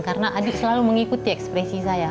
karena adit selalu mengikuti ekspresi saya